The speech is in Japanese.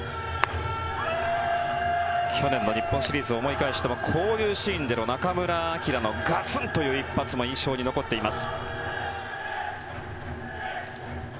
去年の日本シリーズを思い返してもこういうシーンでの中村晃のガツンという一発も印象に残っています。